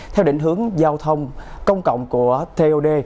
theo định hướng giao thông công cộng của tod